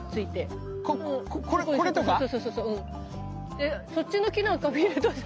でそっちの木なんか見るとさ。